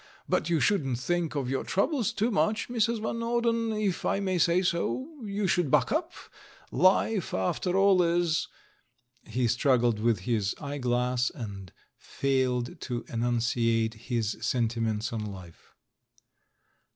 But you shouldn't think of your troubles too much, Mrs. Van Norden, if I may say so — you should buck up. Life, after all, is " He struggled with his ej^eglass and failed to enunciate his sentiments on life.